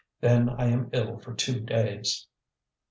Then I am ill for two days."